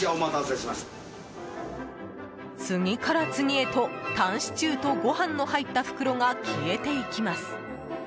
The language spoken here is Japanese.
次から次へとタンシチューとご飯の入った袋が消えていきます。